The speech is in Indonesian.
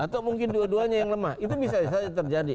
atau mungkin dua duanya yang lemah itu bisa saja terjadi